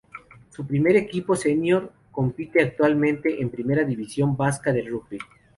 Su primer equipo senior compite actualmente en Primera División Vasca de Rugby.